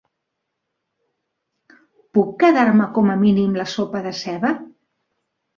Puc quedar-me com a mínim la sopa de ceba?